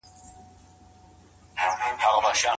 قصاص د عادلانه سزا یو صورت دی.